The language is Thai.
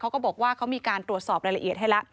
เขาก็บอกว่าเขามีการตรวจสอบรายละเอียดให้แล้ว